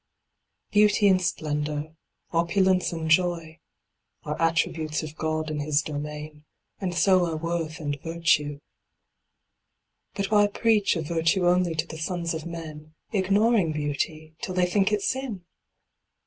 Beauty and splendour, opulence and joy, Are attributes of God and His domain, And so are worth and virtue. But why preach Of virtue only to the sons of men, Ignoring beauty, till they think it sin?